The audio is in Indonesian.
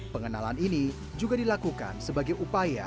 pengenalan ini juga dilakukan sebagai upaya